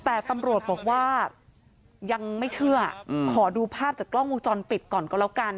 แต่ตำรวจบอกว่ายังไม่เชื่อขอดูภาพจากกล้องวงจรปิดก่อนก็แล้วกัน